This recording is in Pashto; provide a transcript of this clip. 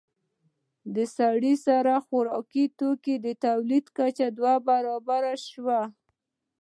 د سړي سر خوراکي توکو تولید کچه دوه برابره شوه.